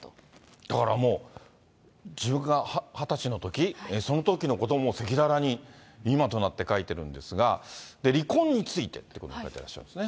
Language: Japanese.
だからもう、自分が２０歳のとき、そのときのことも赤裸々に今となって書いてるんですが、離婚についてってことも書いてらっしゃいますね。